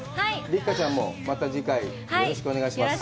六花ちゃんも、また次回、よろしくお願いします。